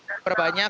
dan berapa banyak